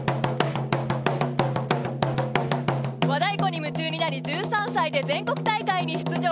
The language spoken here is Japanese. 和太鼓に夢中になり１３歳で全国大会に出場。